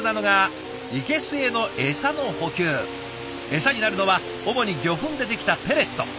エサになるのは主に魚粉で出来たペレット。